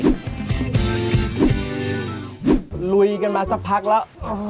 ลุยกันมาสักพักแล้ว